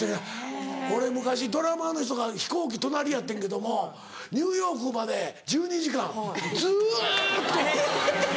俺昔ドラマーの人が飛行機隣やってんけどもニューヨークまで１２時間ずっと！